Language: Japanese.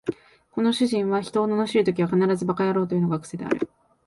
この主人は人を罵るときは必ず馬鹿野郎というのが癖である